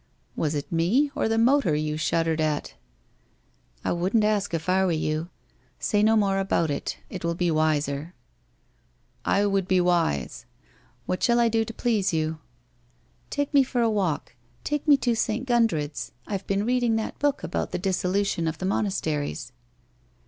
' Was it me or the motor you shuddered at ?'' I wouldn't ask if I were you. Say no more about it, jt will be wiser.' ' I would be wise. What shall I do to please you ?'' Take me for a walk. Take me to St. Gundred's. I have been reading that book about the dissolution of the monasteries.'